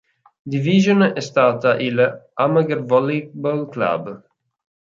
Division è stata il Amager Volleyball Klub.